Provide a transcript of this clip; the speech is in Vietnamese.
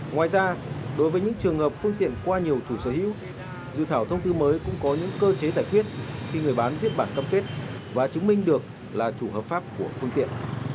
ngoài ra đối với những trường hợp phương tiện qua nhiều chủ sở hữu dự thảo thông tư mới cũng có những cơ chế giải quyết khi người bán viết bản cam kết và chứng minh được là chủ hợp pháp của phương tiện